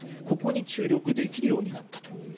ここに注力できるようになったと。